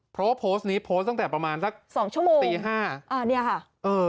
เพราะโพสต์นี้โพสต์ตั้งแต่ประมาณสัก๒ชั่วโมงตี๕